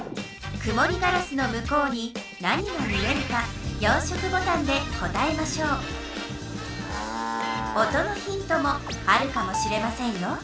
くもりガラスの向こうに何が見えるか４色ボタンで答えましょう音のヒントもあるかもしれませんよ。